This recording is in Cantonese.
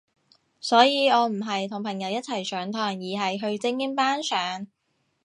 所以我唔係同朋友一齊上堂，而係去精英班上